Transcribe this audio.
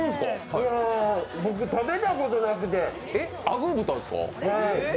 僕、食べたことなくて。